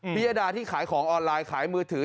ยดาที่ขายของออนไลน์ขายมือถือ